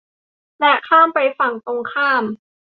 และข้ามไปฝั่งตรงข้าม